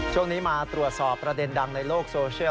ช่วงนี้มาตรวจสอบประเด็นดังในโลกโซเชียล